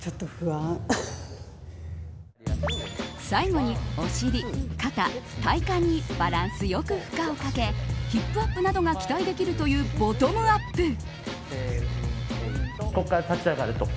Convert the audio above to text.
最後にお尻、肩、体幹にバランスよく負荷をかけヒップアップなどが期待できるというボトムアップ。